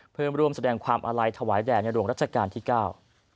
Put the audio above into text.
เพื่อร่วมแสดงความอาลัยถวายแด่ในหลวงรัชกาลที่เก้า